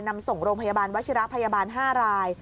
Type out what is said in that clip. นำส่งโรงพยาบาลวัชิระพยาบาล๕ราย